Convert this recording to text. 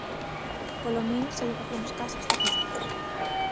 Polo menos, se lle facemos caso á estatística.